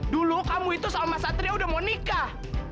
dulu kamu itu sama mas satria udah mau nikah